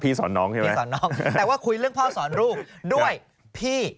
สอนน้องใช่ไหมพี่สอนน้องแต่ว่าคุยเรื่องพ่อสอนลูกด้วยพี่